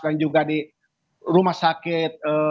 dan juga di rumah sakit